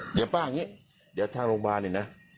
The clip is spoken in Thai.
เดี๋ยวป้าอย่างนี้เดี๋ยวทางโรงพยาบาลเนี่ยนะ